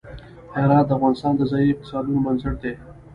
هرات د افغانستان د ځایي اقتصادونو بنسټ دی.